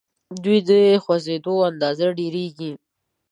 د دوی د خوځیدو اندازه ډیریږي.